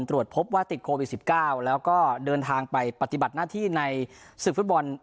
ตรวจพบว่าติดโควิด๑๙แล้วก็เดินทางไปปฏิบัติหน้าที่ในศึกฟุตบอล